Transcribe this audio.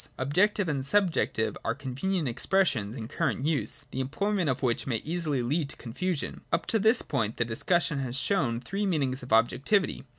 Objective and subjective are convenient expressions in current use, the employment of which may easily lead to confusion. Up to this point, the discussion has shown three meanings of objectivity.